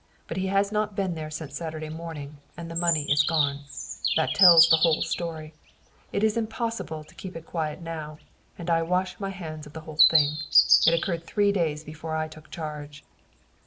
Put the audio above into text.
But he has not been there since Saturday morning, and the money is gone. That tells the whole story. It's impossible to keep it quiet now, and I wash my hands of the whole thing. It occurred three days before I took charge."